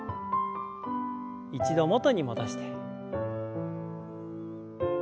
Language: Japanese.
一度元に戻して。